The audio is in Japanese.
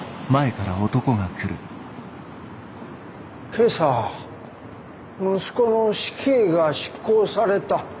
今朝息子の死刑が執行された。